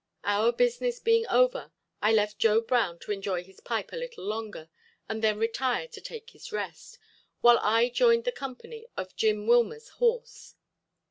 Our business being over I left Joe Brown to enjoy his pipe a little longer and then retire to take his rest, while I joined the company of Jim Willmer's horse.